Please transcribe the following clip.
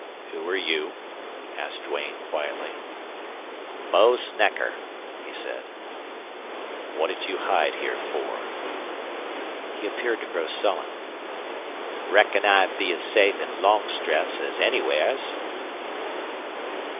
"Who're you?" asked Duane, quietly. "Bo Snecker," he said. "What'd you hide here for?" He appeared to grow sullen. "Reckoned I'd be as safe in Longstreth's as anywheres."